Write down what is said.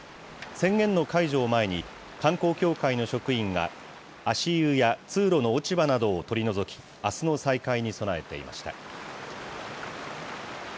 宣言の解除を前に、観光協会の職員が足湯や通路の落ち葉などを取り除き、あすの再開に備えていました。